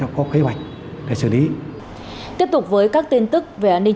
tổ chức chính trị xã hội đã đối mặt với các cơ sở cộng đồng